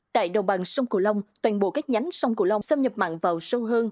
tại đồng bằng sông cửu long toàn bộ các nhánh sông cửu long xâm nhập mặn vào sâu hơn